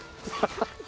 ハハハ！